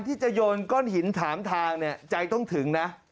ที่จะโยนก้อนหินถามทางเนี่ยใจต้องถึงนะ